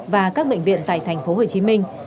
và các bệnh viện tại tp hcm